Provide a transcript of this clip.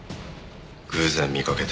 偶然見かけて。